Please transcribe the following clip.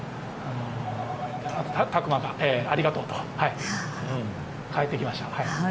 拓磨からありがとうと返ってきました。